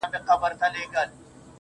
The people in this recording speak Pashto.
ستا دی که قند دی